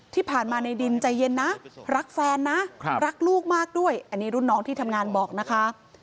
ที่ผ่านมาในดินใจเย็นนะรักแฟนนะรักลูกมากด้วยอันนี้รุ่นน้องที่ทำงานบอกนะคะ